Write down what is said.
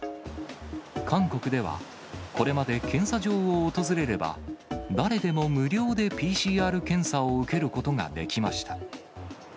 韓国ではこれまで検査場を訪れれば、誰でも無料でＰＣＲ検査を受けることができました。